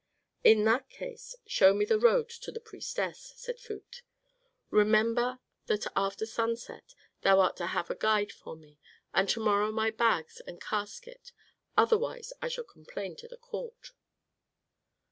"In that case show me the road to the priestess," said Phut. "Remember that after sunset thou art to have a guide for me, and to morrow my bags and casket, otherwise I shall complain to the court."